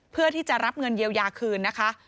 เพื่อที่จะรับเงินเยียวยาคืนนะคะ